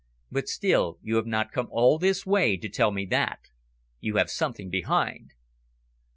But still, you have not come all this way to tell me that. You have something behind."